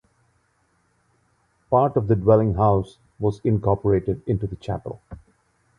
Part of the dwelling house was incorporated into the chapel.